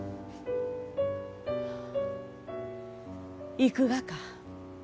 行くがか？